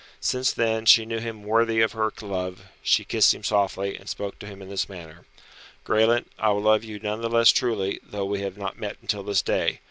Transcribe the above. Since, then, she knew him worthy of her love, she kissed him softly, and spoke to him in this manner, "Graelent, I will love you none the less truly, though we have not met until this day.